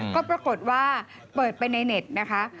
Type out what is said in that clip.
ก็ปรากฏว่าเปิดไปในเน็ตนะคะ